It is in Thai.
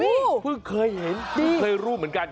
เพิ่งเคยเห็นเพิ่งเคยรู้เหมือนกัน